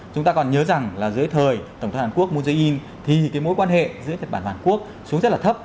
chúng ta còn nhớ rằng là dưới thời tổng thống hàn quốc moon jae in thì cái mối quan hệ giữa nhật bản và hàn quốc xuống rất là thấp